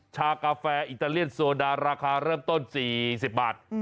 กาแฟอิตาเลียนโซดาราคาเริ่มต้น๔๐บาท